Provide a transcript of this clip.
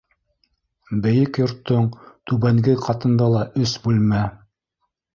Бейек йорттоң түбәнге ҡатында ла өс бүлмә.